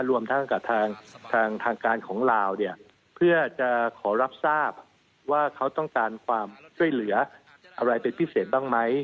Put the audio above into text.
รวมทั้งกับทางการของลาวเนี่ยเพื่อจะขอรับทราบว่าเขาต้องการความช่วยเหลืออะไรเป็นพิเศษบ้างไหม